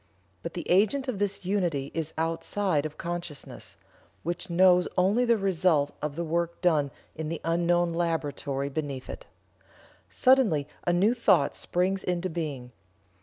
But the agent of this unity is outside of consciousness, which knows only the result of the work done in the unknown laboratory beneath it. Suddenly a new thought springs into being.